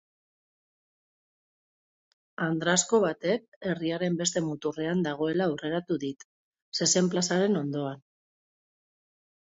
Andrazko batek herriaren beste muturrean dagoela aurreratu dit, zezen plazaren ondoan.